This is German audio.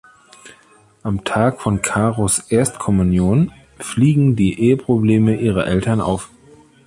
Am Tag von Karos Erstkommunion fliegen die Eheprobleme ihrer Eltern auf.